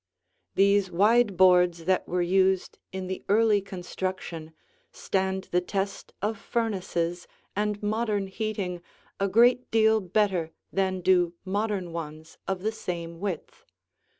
These wide boards that were used in the early construction stand the test of furnaces and modern heating a great deal better than do modern ones of the same width.